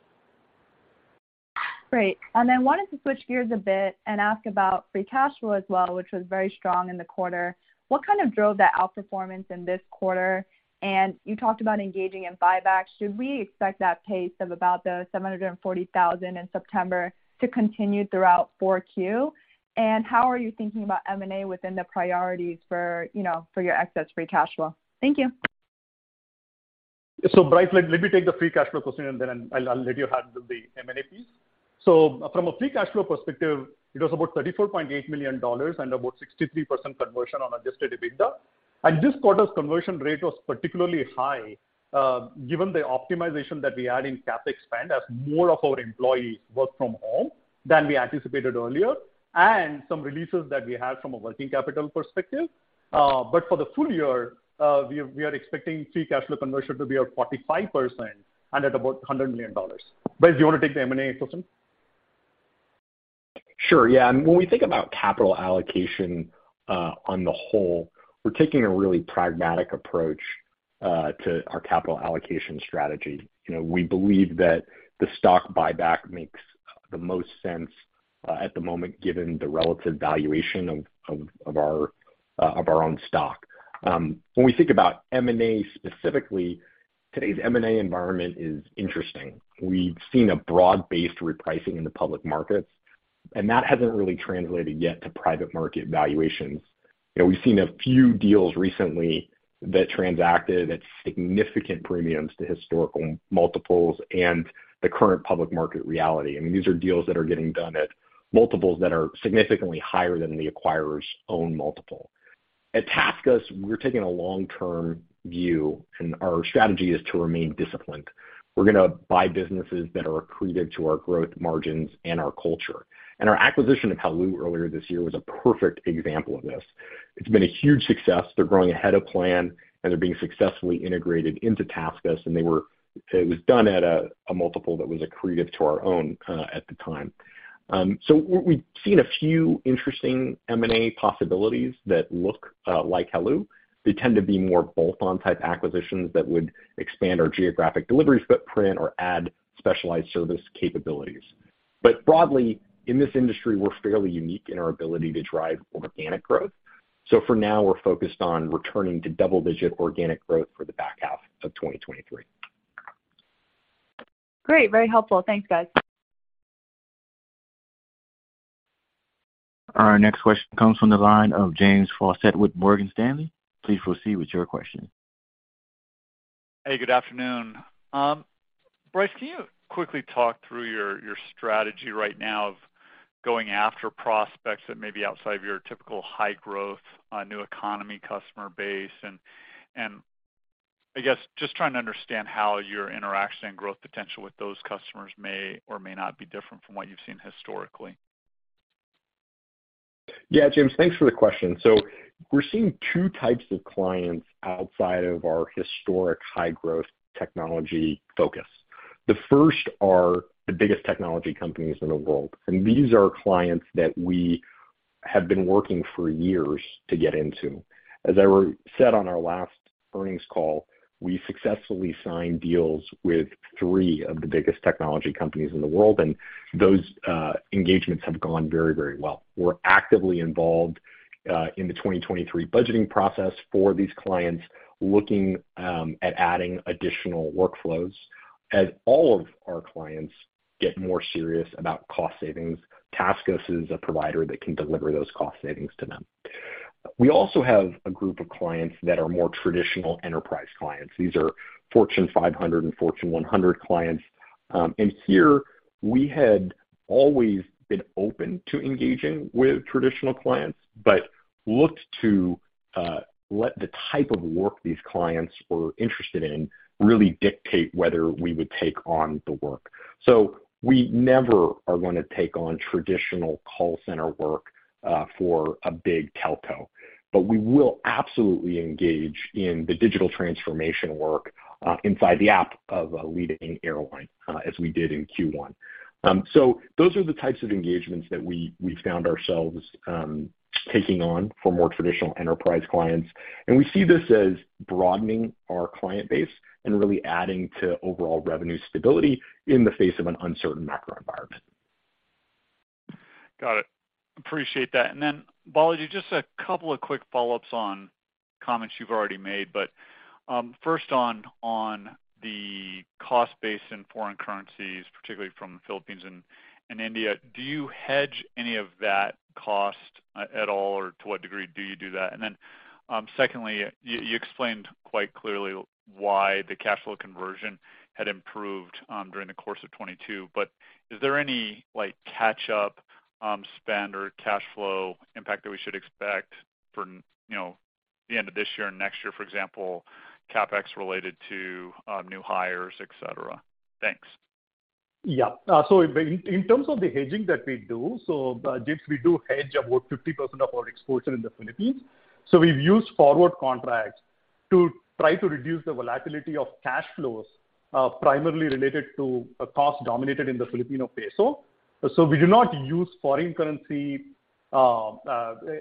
Great. Wanted to switch gears a bit and ask about free cash flow as well, which was very strong in the quarter. What kind of drove that outperformance in this quarter? You talked about engaging in buybacks. Should we expect that pace of about $740,000 in September to continue throughout Q4? How are you thinking about M&A within the priorities for, you know, for your excess free cash flow? Thank you. Bryce, let me take the free cash flow question, and then I'll let you handle the M&A piece. From a free cash flow perspective, it was about $34.8 million and about 63% conversion on adjusted EBITDA. This quarter's conversion rate was particularly high, given the optimization that we had in CapEx spend as more of our employees worked from home than we anticipated earlier, and some releases that we had from a working capital perspective. For the full year, we are expecting free cash flow conversion to be at 45% and at about $100 million. Bryce, do you wanna take the M&A question? Sure, yeah. When we think about capital allocation, on the whole, we're taking a really pragmatic approach to our capital allocation strategy. You know, we believe that the stock buyback makes the most sense at the moment, given the relative valuation of our own stock. When we think about M&A specifically, today's M&A environment is interesting. We've seen a broad-based repricing in the public markets, and that hasn't really translated yet to private market valuations. You know, we've seen a few deals recently that transacted at significant premiums to historical multiples and the current public market reality. I mean, these are deals that are getting done at multiples that are significantly higher than the acquirers own multiple. At TaskUs, we're taking a long-term view, and our strategy is to remain disciplined. We're gonna buy businesses that are accretive to our growth margins and our culture. Our acquisition of heloo earlier this year was a perfect example of this. It's been a huge success. They're growing ahead of plan, and they're being successfully integrated into TaskUs, and it was done at a multiple that was accretive to our own at the time. We've seen a few interesting M&A possibilities that look like heloo. They tend to be more bolt-on type acquisitions that would expand our geographic delivery footprint or add specialized service capabilities. Broadly, in this industry, we're fairly unique in our ability to drive organic growth. For now, we're focused on returning to double-digit organic growth for the back half of 2023. Great. Very helpful. Thanks, guys. Our next question comes from the line of James Faucette with Morgan Stanley. Please proceed with your question. Hey, good afternoon. Bryce, can you quickly talk through your strategy right now of going after prospects that may be outside of your typical high growth, new economy customer base? I guess just trying to understand how your interaction and growth potential with those customers may or may not be different from what you've seen historically. Yeah, James. Thanks for the question. We're seeing two types of clients outside of our historic high growth technology focus. The first are the biggest technology companies in the world, and these are clients that we have been working for years to get into. As I said on our last earnings call, we successfully signed deals with three of the biggest technology companies in the world, and those engagements have gone very, very well. We're actively involved in the 2023 budgeting process for these clients, looking at adding additional workflows. As all of our clients get more serious about cost savings, TaskUs is a provider that can deliver those cost savings to them. We also have a group of clients that are more traditional enterprise clients. These are Fortune 500 and Fortune 100 clients. Here we had always been open to engaging with traditional clients, but looked to let the type of work these clients were interested in really dictate whether we would take on the work. We never are gonna take on traditional call center work for a big telco, but we will absolutely engage in the digital transformation work inside the app of a leading airline, as we did in Q1. Those are the types of engagements that we found ourselves taking on for more traditional enterprise clients. We see this as broadening our client base and really adding to overall revenue stability in the face of an uncertain macro environment. Got it. Appreciate that. Balaji, just a couple of quick follow-ups on comments you've already made. First on the cost base in foreign currencies, particularly from the Philippines and India, do you hedge any of that cost at all, or to what degree do you do that? Secondly, you explained quite clearly why the cash flow conversion had improved during the course of 2022, but is there any, like, catch up spend or cash flow impact that we should expect for, you know, the end of this year and next year, for example, CapEx related to new hires, et cetera? Thanks. Yeah, in terms of the hedging that we do, so James, we hedge about 50% of our exports in the Philippines. We've used forward contracts to try to reduce the volatility of cash flows, primarily related to costs denominated in the Filipino Peso. We do not use foreign currency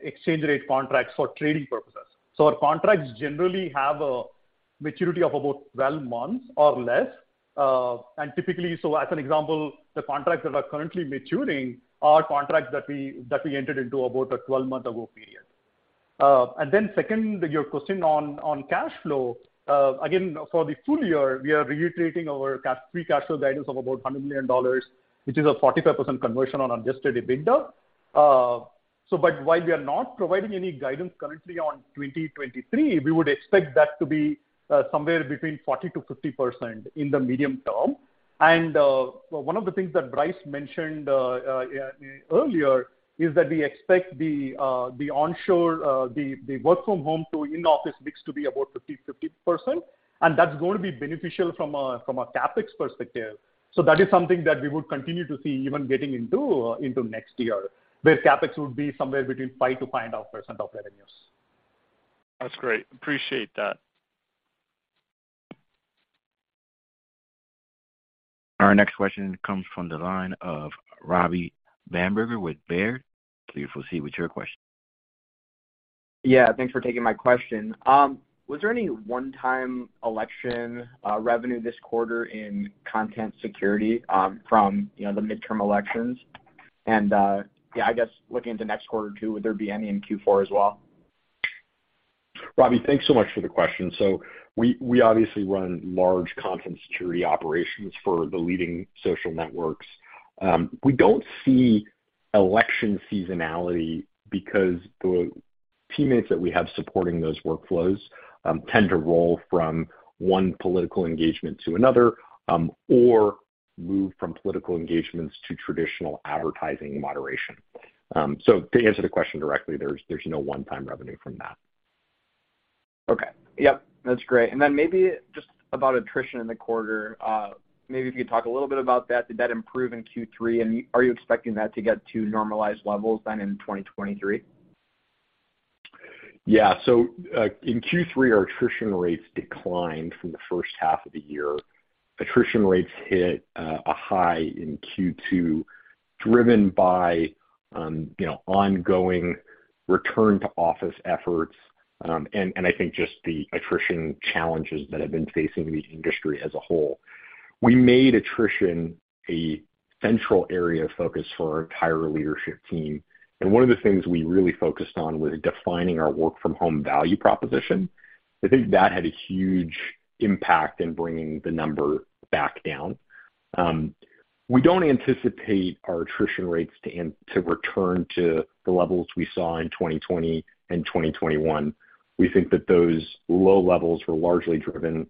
exchange rate contracts for trading purposes. Our contracts generally have a maturity of about 12 months or less. Typically, as an example, the contracts that are currently maturing are contracts that we entered into about 12 months ago. Then, second, your question on cash flow. Again, for the full year, we are reiterating our free cash flow guidance of about $100 million, which is a 45% conversion on adjusted EBITDA. While we are not providing any guidance currently on 2023, we would expect that to be somewhere between 40%-50% in the medium term. One of the things that Bryce mentioned earlier is that we expect the onshore work from home to in-office mix to be about 50%-50%, and that's going to be beneficial from a CapEx perspective. That is something that we would continue to see even getting into next year, where CapEx would be somewhere between 5%-5% of revenues. That's great. Appreciate that. Our next question comes from the line of Robby Bamberger with Baird. Please proceed with your question. Yeah, thanks for taking my question. Was there any one-time election revenue this quarter in Content Security from, you know, the midterm elections? Yeah, I guess looking into next quarter too, would there be any in Q4 as well? Robby thanks so much for the question. We obviously run large Content Security operations for the leading social networks. We don't see election seasonality because the teammates that we have supporting those workflows tend to roll from one political engagement to another, or move from political engagements to traditional advertising moderation. To answer the question directly, there's no one-time revenue from that. Okay. Yep, that's great. Maybe just about attrition in the quarter, maybe if you could talk a little bit about that. Did that improve in Q3, and are you expecting that to get to normalized levels then in 2023? Yeah. In Q3, our attrition rates declined from the first half of the year. Attrition rates hit a high in Q2, driven by you know ongoing return to office efforts and I think just the attrition challenges that have been facing the industry as a whole. We made attrition a central area of focus for our entire leadership team, and one of the things we really focused on was defining our work from home value proposition. I think that had a huge impact in bringing the number back down. We don't anticipate our attrition rates to return to the levels we saw in 2020 and 2021. We think that those low levels were largely driven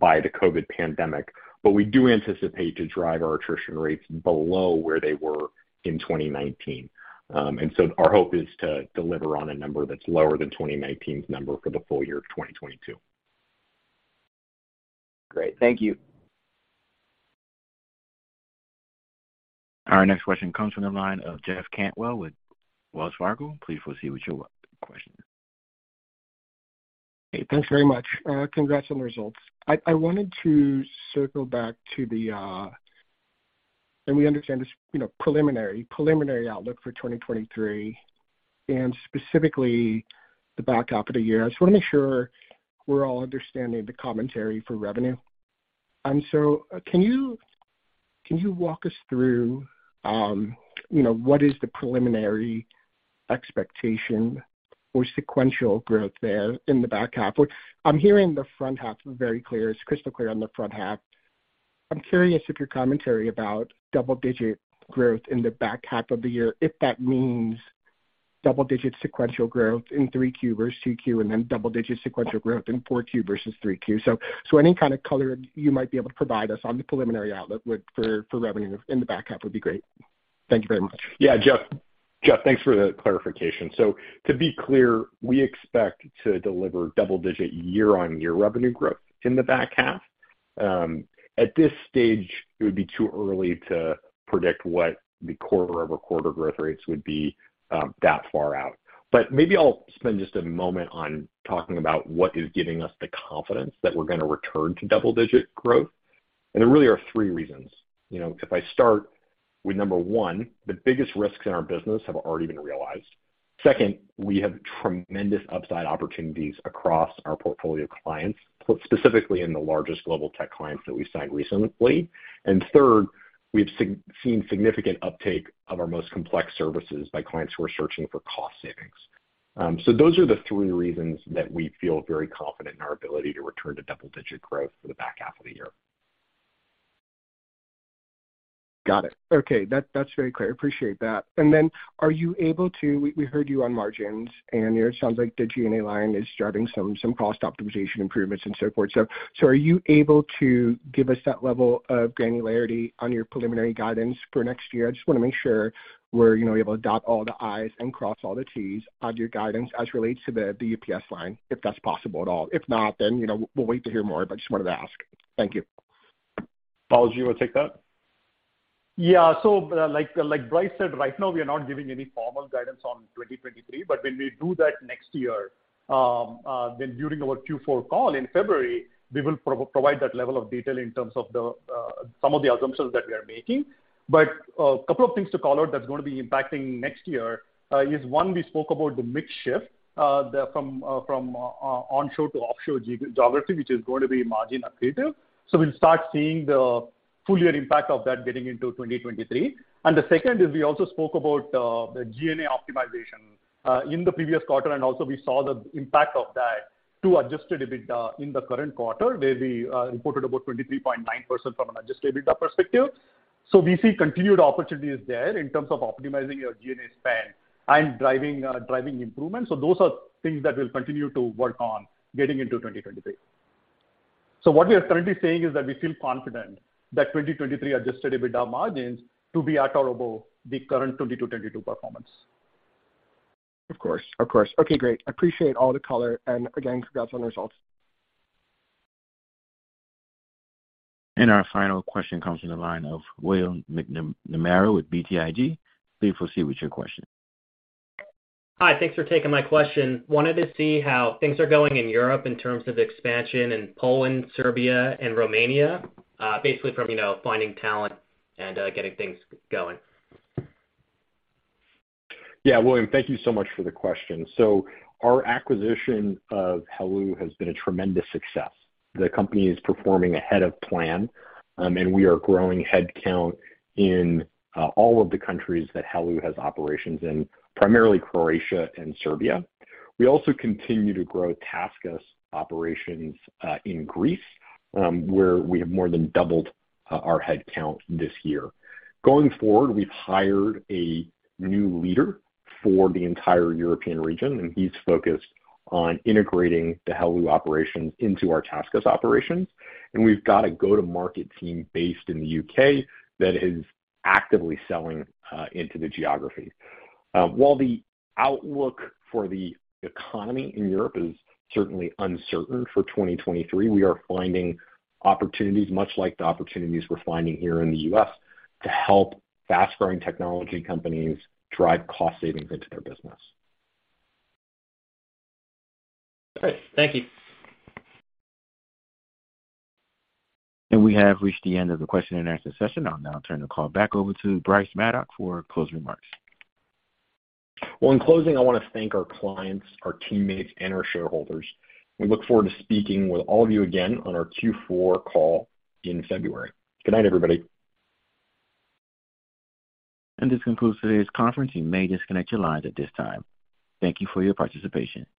by the COVID pandemic. We do anticipate to drive our attrition rates below where they were in 2019. Our hope is to deliver on a number that's lower than 2019's number for the full year of 2022. Great. Thank you. Our next question comes from the line of Jeff Cantwell with Wells Fargo. Please proceed with your question. Hey, thanks very much. Congrats on the results. I wanted to circle back, and we understand this preliminary outlook for 2023 and specifically the back half of the year. I just wanna make sure we're all understanding the commentary for revenue. Can you walk us through what is the preliminary expectation or sequential growth there in the back half? I'm hearing the front half very clear. It's crystal clear on the front half. I'm curious if your commentary about double-digit growth in the back half of the year means double-digit sequential growth in 3Q versus 2Q and then double-digit sequential growth in 4Q versus 3Q. Any kind of color you might be able to provide us on the preliminary outlook for revenue in the back half would be great. Thank you very much. Yeah, Jeff, thanks for the clarification. To be clear, we expect to deliver double-digit year-on-year revenue growth in the back half. At this stage, it would be too early to predict what the quarter-over-quarter growth rates would be, that far out. Maybe I'll spend just a moment on talking about what is giving us the confidence that we're gonna return to double-digit growth. There really are three reasons. You know, if I start with number one, the biggest risks in our business have already been realized. Second, we have tremendous upside opportunities across our portfolio of clients, specifically in the largest global tech clients that we signed recently. Third, we've seen significant uptake of our most complex services by clients who are searching for cost savings. Those are the three reasons that we feel very confident in our ability to return to double-digit growth for the back half of the year. Got it. Okay, that's very clear. Appreciate that. We heard you on margins and it sounds like the G&A line is driving some cost optimization improvements and so forth. Are you able to give us that level of granularity on your preliminary guidance for next year? I just wanna make sure we're, you know, able to dot all the I's and cross all the T's on your guidance as relates to the EPS line, if that's possible at all. If not, then, you know, we'll wait to hear more, but just wanted to ask. Thank you. Balaji, you wanna take that? Yeah. Like Bryce said, right now we are not giving any formal guidance on 2023, but when we do that next year, then during our Q4 call in February, we will provide that level of detail in terms of some of the assumptions that we are making. A couple of things to call out that's gonna be impacting next year is one, we spoke about the mix shift from onshore to offshore geography, which is going to be margin accretive. We'll start seeing the full year impact of that getting into 2023. The second is we also spoke about the G&A optimization in the previous quarter, and also we saw the impact of that to adjusted EBITDA in the current quarter where we reported about 23.9% from an adjusted EBITDA perspective. We see continued opportunities there in terms of optimizing our G&A spend and driving improvements. Those are things that we'll continue to work on getting into 2023. What we are currently saying is that we feel confident that 2023 adjusted EBITDA margins to be at or above the current 2022 performance. Of course. Okay, great. Appreciate all the color and again, congrats on the results. Our final question comes from the line of William McNamara with BTIG. Please proceed with your question. Hi. Thanks for taking my question. Wanted to see how things are going in Europe in terms of expansion in Poland, Serbia, and Romania, basically from, you know, finding talent and getting things going? Yeah, William, thank you so much for the question. Our acquisition of heloo has been a tremendous success. The company is performing ahead of plan, and we are growing headcount in all of the countries that heloo has operations in, primarily Croatia and Serbia. We also continue to grow TaskUs operations in Greece, where we have more than doubled our headcount this year. Going forward, we've hired a new leader for the entire European region, and he's focused on integrating the heloo operations into our TaskUs operations. We've got a go-to-market team based in the U.K. That is actively selling into the geography. While the outlook for the economy in Europe is certainly uncertain for 2023, we are finding opportunities, much like the opportunities we're finding here in the U.S., to help fast-growing technology companies drive cost savings into their business. Great. Thank you. We have reached the end of the question-and-answer session. I'll now turn the call back over to Bryce Maddock for closing remarks. Well, in closing, I wanna thank our clients, our teammates, and our shareholders. We look forward to speaking with all of you again on our Q4 call in February. Good night, everybody. This concludes today's conference. You may disconnect your lines at this time. Thank you for your participation.